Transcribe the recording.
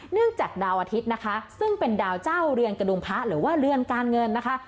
จากดาวอาทิตย์นะคะซึ่งเป็นดาวเจ้าเรือนกระดุงพระหรือว่าเรือนการเงินนะคะ